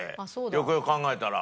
よくよく考えたら。